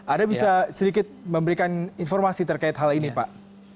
anda bisa sedikit memberikan informasi terkait hal ini pak